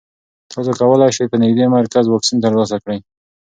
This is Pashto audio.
تاسو کولی شئ په نږدې مرکز واکسین ترلاسه کړئ.